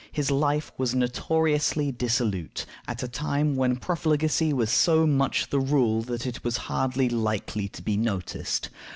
His life was notoriously dissolute at a time when profligacy was so much the rule that it was hardly likely to be noticed.